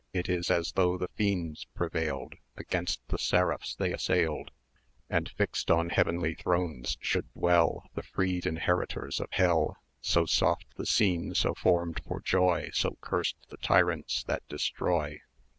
It is as though the Fiends prevailed Against the Seraphs they assailed, And, fixed on heavenly thrones, should dwell The freed inheritors of Hell; So soft the scene, so formed for joy, So curst the tyrants that destroy!